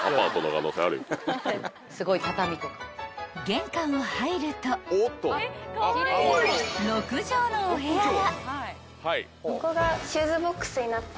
［玄関を入ると６畳のお部屋が］